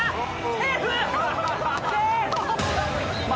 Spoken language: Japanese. セーフ！